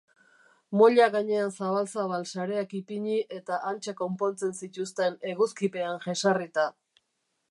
Moila gainean zabal-zabal sareak ipini eta hantxe konpontzen zituzten, eguzkipean jesarrita.